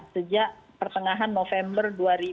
sejak pertengahan november dua ribu dua puluh